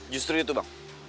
justru itu bang